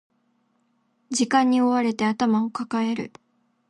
時間に追われて頭を抱える